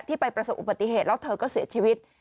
ไปประสบอุบัติเหตุแล้วเธอก็เสียชีวิต